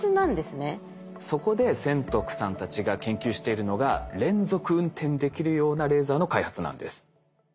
そこで千徳さんたちが研究しているのが連続運転できるようなレーザーの開発なんです。